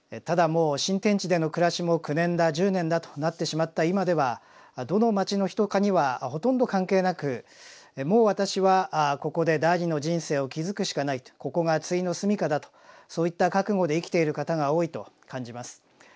ただもう新天地での暮らしも９年だ１０年だとなってしまった今ではどの町の人かにはほとんど関係なくもう私はここで第２の人生を築くしかないとここがついの住みかだとそういった覚悟で生きている方が多いと感じます。